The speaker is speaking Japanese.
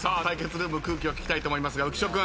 ルーム空気を聞きたいと思いますが浮所君。